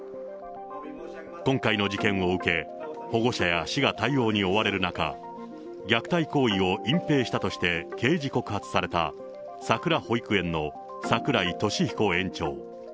今回の事件を受け、保護者や市が対応に追われる中、虐待行為を隠蔽したとして刑事告発された、さくら保育園の櫻井利彦園長。